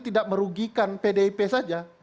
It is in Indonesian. tidak merugikan pdip saja